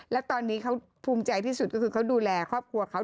และตอนนี้เขาภูมิใจที่สุดก็คือเขาดูแลครอบครัวเขา